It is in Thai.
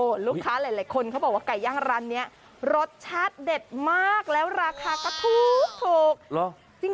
ลูกค้าหลายคนเขาบอกว่าไก่ย่างร้านนี้รสชาติเด็ดมากแล้วราคาก็ถูก